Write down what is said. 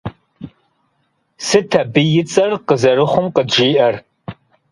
Сыт абы и цӀэр къызэрыхъум къыджиӀэр?